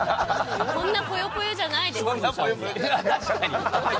こんなぽよぽよじゃないですよ。